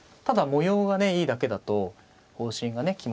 ただ模様がねいいだけだと方針がね